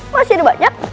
masih ada banyak